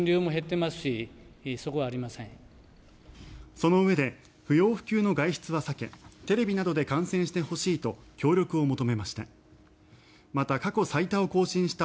そのうえで不要不急の外出は避けテレビなどで観戦してほしいと協力を求めました。